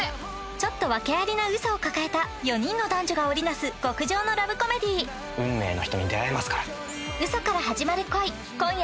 ちょっと訳ありな嘘を抱えた４人の男女が織りなす極上のラブコメディー運命の人に出会えますから。